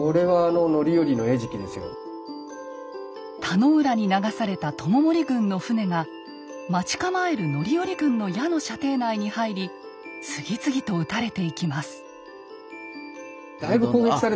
田野浦に流された知盛軍の船が待ち構える範頼軍の矢の射程内に入り次々と討たれていきます。